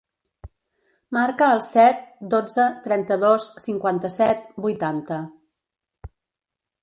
Marca el set, dotze, trenta-dos, cinquanta-set, vuitanta.